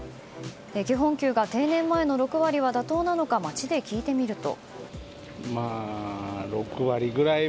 基本給が定年前の６割は妥当なのか街で聞いてみると。